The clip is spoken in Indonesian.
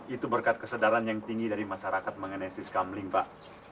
itu berkat kesedaran yang tinggi dari masyarakat mengenai sis kamling pak